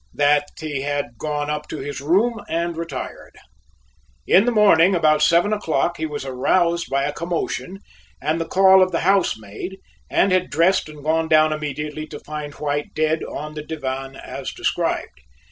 That he had gone up to his room and retired. In the morning about seven o'clock he was aroused by a commotion and the call of the housemaid and had dressed and gone down immediately to find White dead on the divan, as described.